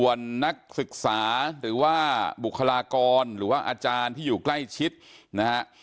ส่วนนักศึกษาหรือว่าบุคลากรหรือว่าอาจารย์ที่อยู่ใกล้ชิดนะฮะ